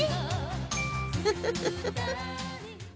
フフフフ。